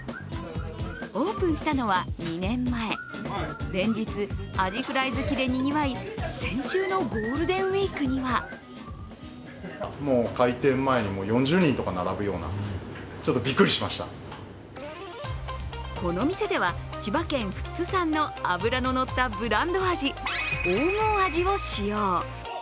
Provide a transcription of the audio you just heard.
オープンしたのは２年前、連日、アジフライ好きでにぎわい、先週のゴールデンウイークにはこの店では千葉県富津産の脂の乗ったブランドアジ黄金アジを使用。